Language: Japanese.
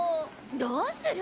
どうする？